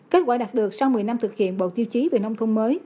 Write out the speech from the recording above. kết quả đạt được sau một mươi năm thực hiện bộ tiêu chí về nông thôn mới